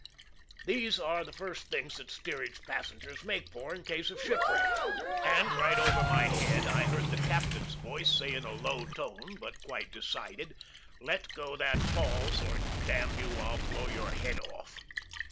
These are the first things that steerage passengers make for in case of shipwreck, and right over my head I heard the captain's voice say in a low tone, but quite decided: "Let go that falls, or, damn you, I'll blow your head off!"